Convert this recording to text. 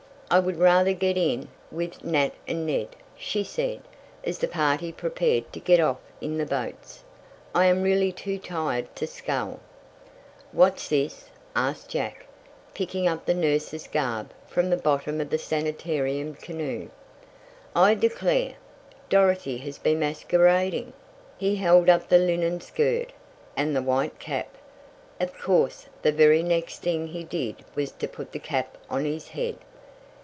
"I would rather get in with Nat and Ned," she said, as the party prepared to get off in the boats. "I am really too tired to scull." "What's this?" asked Jack, picking up the nurse's garb from the bottom of the sanitarium canoe. "I declare! Dorothy has been masquerading!" He held up the linen skirt, and the white cap. Of course the very next thing he did was to put the cap on his head.